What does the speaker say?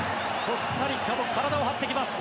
コスタリカも体を張ってきます。